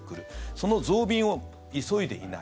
その増便を急いでいない。